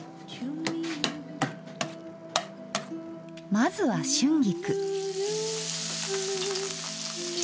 まずは春菊。